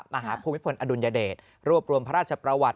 ภูมิพลอดุลยเดชรวบรวมพระราชประวัติ